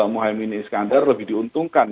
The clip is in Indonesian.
muhammad ibn iskandar lebih diuntungkan